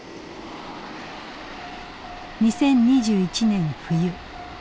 ２０２１年冬。